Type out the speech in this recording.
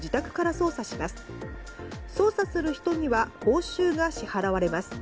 操作する人には報酬が支払われます。